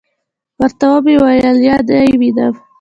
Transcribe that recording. ورته ومي ویل: یا نې وینې .